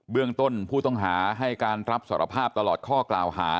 เรื่องต้นผู้ต้องหาให้การรับสารภาพตลอดข้อกล่าวหา